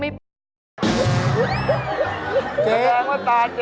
พี่เจ๊เจ๊ดูอะไรเนี่ยฉันเห็นแต่ดูตั้งนานเลยนะเจ๊